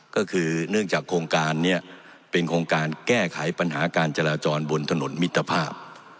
ก็คือเนื่องจากโครงการนี้เป็นโครงการแก้ไขปัญหาการจราจรบนถนนมิตรภาพ